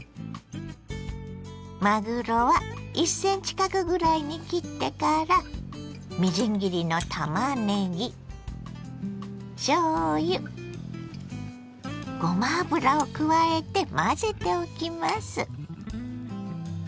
まぐろは１ｃｍ角ぐらいに切ってからみじん切りのたまねぎしょうゆごま油を加えて混ぜておきます。